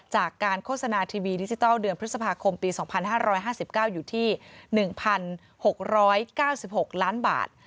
จากการโฆษณาทีวีดิจิทัลเดือนพฤษภาคมปี๒๕๕๙อยู่ที่๑๖๙๖ล้านบาท